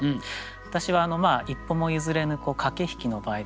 私は一歩も譲れぬ駆け引きの場合ですね